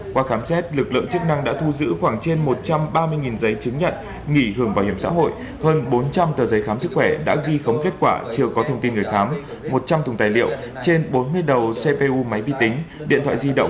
qua khám xét lực lượng chức năng đã thu giữ khoảng trên một trăm ba mươi giấy chứng nhận nghỉ hưởng bảo hiểm xã hội hơn bốn trăm linh tờ giấy khám sức khỏe đã ghi khống kết quả chưa có thông tin người khám một trăm linh thùng tài liệu trên bốn mươi đầu cpu máy vi tính điện thoại di động